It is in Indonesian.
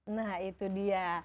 nah itu dia